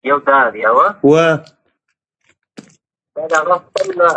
ایا مراد ځان پردی احساساوه؟